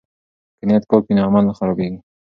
که نیت پاک وي نو عمل نه خرابیږي.